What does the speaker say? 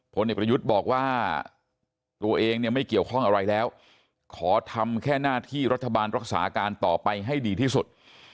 ผลเอกประยุทธ์บอกว่าตัวเองเนี่ยไม่เกี่ยวข้องอะไรแล้วขอทำแค่หน้าที่รัฐบาลรักษาการต่อไปให้ดีที่สุด